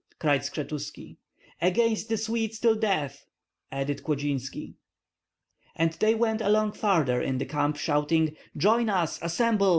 cried Skshetuski. "Against the Swedes till death!" added Klodzinski. And they went along farther in the camp, shouting: "Join us! Assemble!